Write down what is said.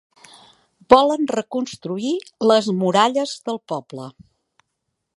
Volen reconstruir les muralles del poble.